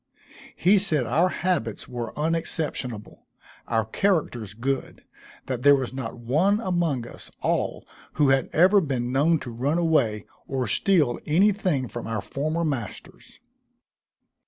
He said our habits were unexceptionable, our characters good; that there was not one among us all who had ever been known to run away, or steal any thing from our former masters.